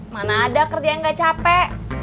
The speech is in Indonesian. mana ada kerja yang gak capek